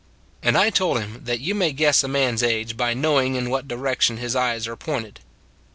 And I told him that you may guess a man s age by knowing in what direction his eyes are pointed.